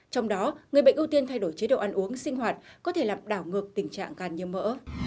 trong đó người bệnh ưu tiên thay đổi chế độ ăn uống sinh hoạt có thể làm đảo ngược tình trạng gan như mỡ